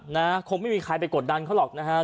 นะคงไม่มีใครไปกดดันเขาหรอกนะฮะ